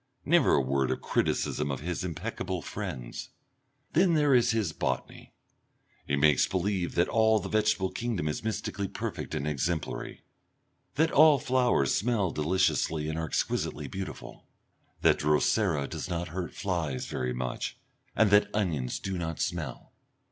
Never a word of criticism of his impeccable friends! Then there is his botany. He makes believe that all the vegetable kingdom is mystically perfect and exemplary, that all flowers smell deliciously and are exquisitely beautiful, that Drosera does not hurt flies very much, and that onions do not smell.